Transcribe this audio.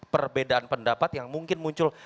perbedaan pendapat yang mungkin muncul